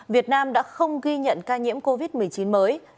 việt nam đã không ghi nhận ca nhiễm covid một mươi chín mới